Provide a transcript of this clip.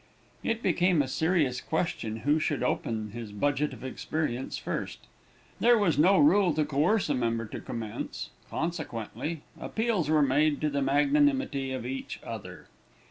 It became a serious question who should open his budget of experience first. There was no rule to coerce a member to commence; consequently, appeals were made to the magnanimity of each other.